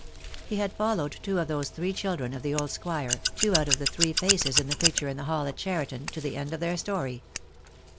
He had followed two of those three children of the old squire, two out of the three faces in the picture in the hall at Cheriton, to the end of their story.